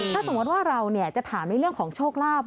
ถ้าสมมติว่าเราจะถามในเรื่องของโชคลาภ